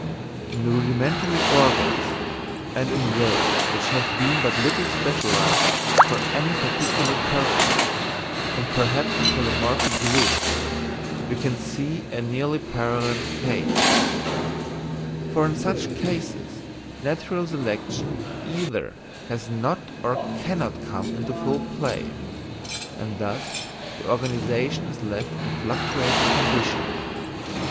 In rudimentary organs, and in those which have been but little specialised for any particular purpose, and perhaps in polymorphic groups, we see a nearly parallel case; for in such cases natural selection either has not or cannot come into full play, and thus the organisation is left in a fluctuating condition.